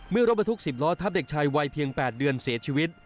เมื่อรบบทุกสิบล้อทัพเด็กชายวัยเพียง๘เดือนเสียชีวิต